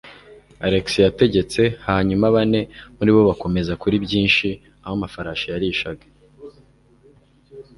Alex yategetse hanyuma bane muri bo bakomeza kuri byinshi aho amafarashi yarishaga.